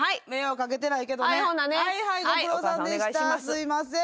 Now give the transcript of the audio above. すいません。